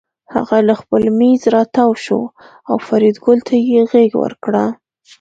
هغه له خپل مېز راتاو شو او فریدګل ته یې غېږ ورکړه